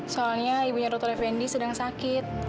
soalnya ibunya dokter effendi sedang sakit